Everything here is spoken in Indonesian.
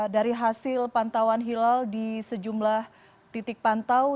dari hasil pantauan hilal di sejumlah titik pantau